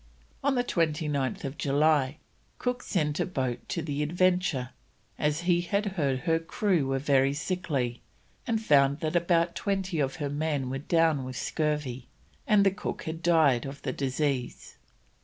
On 29th July, Cook sent a boat to the Adventure, as he had heard her crew were very sickly, and found that about twenty of her men were down with scurvy, and the cook had died of the disease.